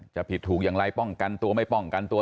จะผิดถูกอย่างไรป้องกันตัวไม่ป้องกันตัว